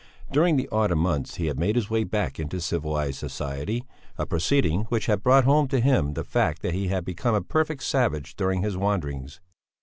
During the autumn months he had made his way back into civilized society, a proceeding which had brought home to him the fact that he had become a perfect savage during his wanderings.